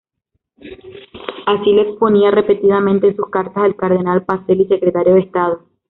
Así lo exponía repetidamente en sus cartas al cardenal Pacelli, Secretario de Estado".